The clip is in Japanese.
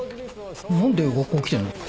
何で学校来てんの？